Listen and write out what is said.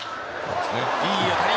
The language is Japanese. いい当たり。